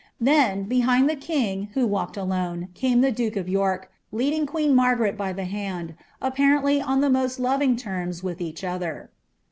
Then, behind lite king, who walked alone, came the duke of Tork, Icadins ((iteen Margaret by the hand, apparently on the most loving tenns wiili each other.